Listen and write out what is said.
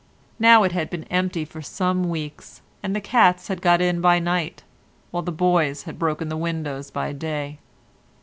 Now it had been empty for some weeks and the cats had got in by night, while the boys had broken the windows by day.